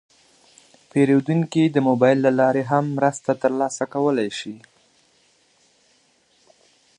پیرودونکي د موبایل له لارې هم مرسته ترلاسه کولی شي.